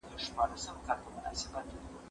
زه به سبا د زده کړو تمرين کوم؟